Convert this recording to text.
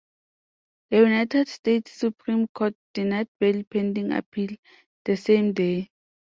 The United States Supreme Court denied bail pending appeal the same day.